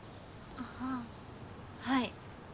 あぁはい。